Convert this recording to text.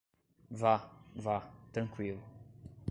Vá, vá, tranqüilo.